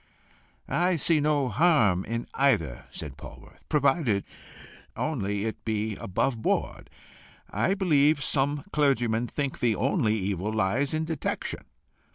"I see no harm in either," said Polwarth, "provided only it be above board. I believe some clergymen think the only evil lies in detection.